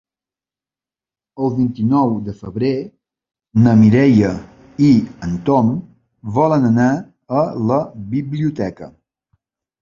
El vint-i-nou de febrer na Mireia i en Tom volen anar a la biblioteca.